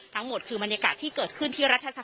ทั้งหมดคือบรรยากาศที่เกิดขึ้นที่รัฐสภา